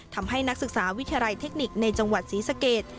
นักศึกษาวิทยาลัยเทคนิคในจังหวัดศรีสเกต